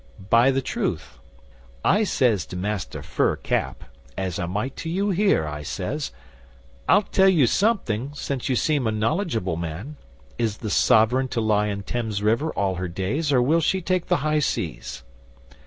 'By the truth. I says to Master Fur Cap, as I might to you here, I says, "I'll tell you something, since you seem a knowledgeable man. Is the SOVEREIGN to lie in Thames river all her days, or will she take the high seas?"